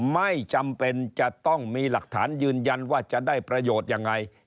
ไม่จำเป็นจะต้องมีหลักฐานยืนยันว่าจะได้ประโยชน์ยังไง